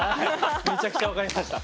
むちゃくちゃ分かりました。